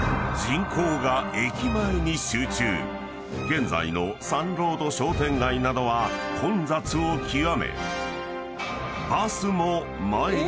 ［現在のサンロード商店街などは混雑を極め］